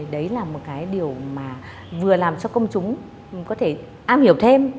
đấy là một cái điều mà vừa làm cho công chúng có thể am hiểu thêm